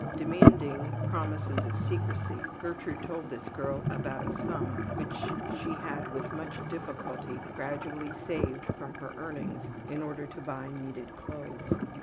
Demanding promises of secrecy, Gertrude told this girl about a sum which she had with much difficulty gradually saved from her earnings in order to buy needed clothes.